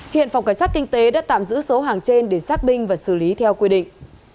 hiện phòng cảnh sát kinh tế đã tạm giữ số hàng trên để xác binh và xử lý theo quy định